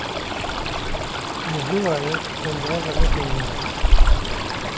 Ji zû ve ye em bi hev re nepeyivîne.